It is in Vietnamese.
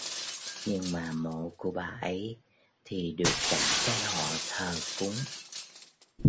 Nhưng mà mộ của bà ấy thì được cả cái họ thờ cúng